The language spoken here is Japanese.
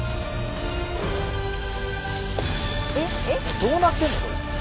どうなってんの？